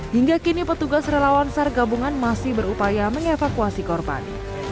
hingga kini petugas relawan sargabungan masih berupaya mengevakuasi korban